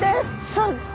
そっか。